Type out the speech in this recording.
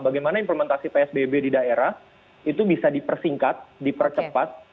bagaimana implementasi psbb di daerah itu bisa dipersingkat dipercepat